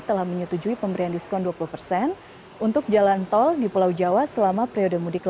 telah menyetujui pemberian diskon dua puluh persen untuk jalan tol di pulau jawa selama periode mudik